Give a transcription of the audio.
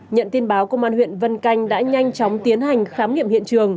nhận tin báo công an huyện vân canh đã nhanh chóng tiến hành khám nghiệm hiện trường